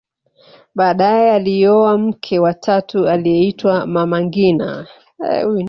baadaye alioa mke wa tatu aliyeitwa mama ngina